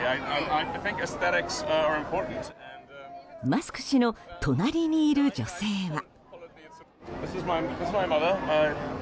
マスク氏の隣にいる女性は。